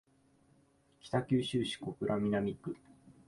北九州市小倉南区